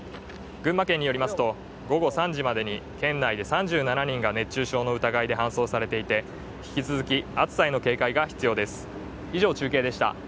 群馬県によりますと午後３時までに県内で３７人が熱中症の疑いで搬送されていて引き続き、暑さへの警戒が必要です。